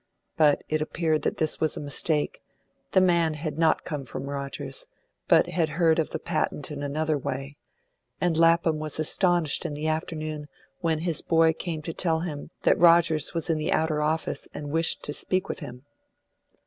But it appeared that this was a mistake; the man had not come from Rogers, but had heard of the patent in another way; and Lapham was astonished in the afternoon, when his boy came to tell him that Rogers was in the outer office, and wished to speak with him.